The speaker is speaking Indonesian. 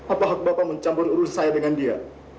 apakah bapak mencampur urusan saya dengan dia